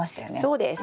そうです。